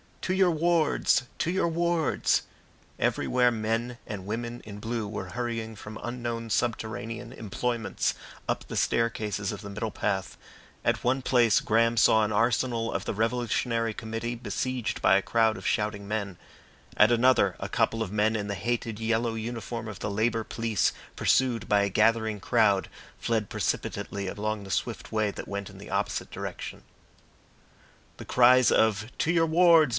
"To your wards! To your wards!" Everywhere men and women in blue were hurrying from unknown subterranean employments, up the staircases of the middle path; at one place Graham saw an arsenal of the revolutionary committee besieged by a crowd of shouting men, at another a couple of men in the hated yellow uniform of the Labour Police, pursued by a gathering crowd, fled precipitately along the swift way that went in the opposite direction. The cries of "To your wards!"